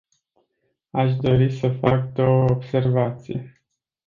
Aș dori să fac două observații.